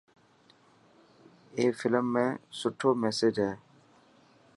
اي فلم ۾ سٺو ميسج هي.